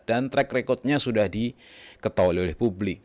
dan track record nya sudah diketahui oleh publik